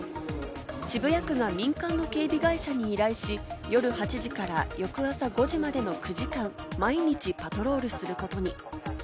渋谷区が民間の警備会社に依頼し、夜８時から翌朝５時までの９時間、毎日パトロールすることに。